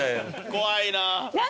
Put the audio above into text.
怖いな。